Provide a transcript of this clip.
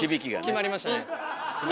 決まりましたね。